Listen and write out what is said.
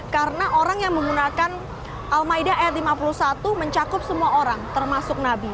karena orang yang menggunakan al maida ayat lima puluh satu mencakup semua orang termasuk nabi